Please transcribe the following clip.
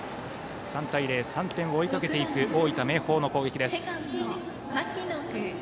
３対０、３点を追いかける大分・明豊の攻撃です。